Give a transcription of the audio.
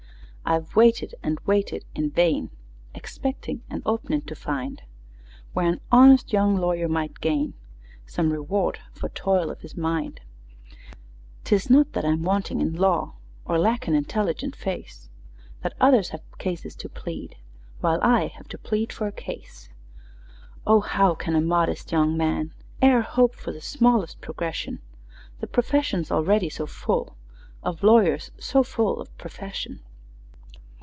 "I've waited and waited in vain, Expecting an 'opening' to find, Where an honest young lawyer might gain Some reward for toil of his mind. "'Tis not that I'm wanting in law, Or lack an intelligent face, That others have cases to plead, While I have to plead for a case. "O, how can a modest young man E'er hope for the smallest progression, The profession's already so full Of lawyers so full of profession!"